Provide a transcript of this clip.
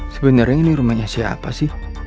sebenarnya ini rumahnya siapa sih